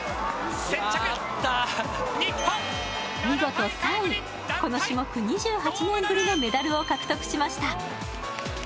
見事３位、この種目２８年ぶりのメダルを獲得しました。